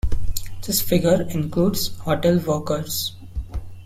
This figure includes hotel workers.